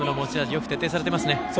よく徹底されていますね。